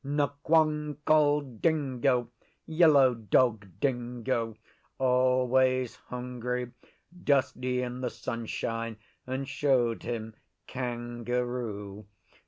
Nqong called Dingo Yellow Dog Dingo always hungry, dusty in the sunshine, and showed him Kangaroo.